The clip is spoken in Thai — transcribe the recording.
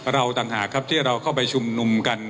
ต่างหากครับที่เราเข้าไปชุมนุมกัน